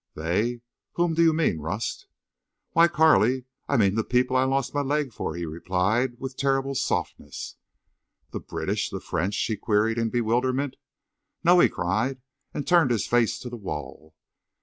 "They? Whom do you mean, Rust?" "Why, Carley, I mean the people I lost my leg for!" he replied, with terrible softness. "The British? The French?" she queried, in bewilderment. "No!" he cried, and turned his face to the wall.